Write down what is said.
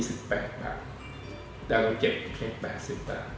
แต่เราเจ็บแค่๘๐บาท